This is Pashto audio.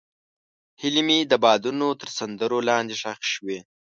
هیلې مې د بادونو تر سندرو لاندې ښخې شوې.